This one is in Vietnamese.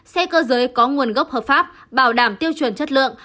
xe cơ giới có nguồn gốc hợp pháp bảo đảm tiêu chuẩn chất lượng